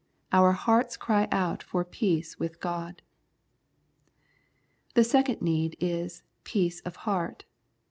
Our hearts cry out for peace with God. Our second need is peace of heart.